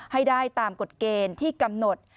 ให้ได้ตามกฎเกณฑ์ที่กำหนด